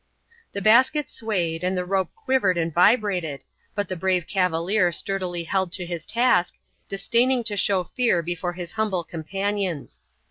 The basket swayed and the rope quivered and vibrated, but the brave cavalier sturdily held to his task, disdaining to show fear before his humble companions.